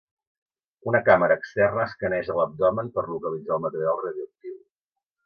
Una càmera externa escaneja l'abdomen per localitzar el material radioactiu.